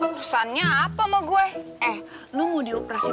udahbased nih partisipan lakuin untuk di projet